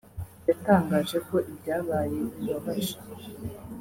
yatangaje ko ibyabaye bibabaje